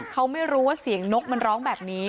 เขาไม่รู้ว่าเสียงนกมันร้องแบบนี้